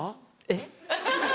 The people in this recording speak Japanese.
えっ？